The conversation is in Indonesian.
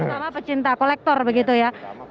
terutama pecinta kolektor begitu ya